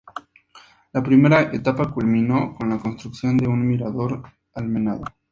La primera etapa culminó con la construcción de un mirador almenado.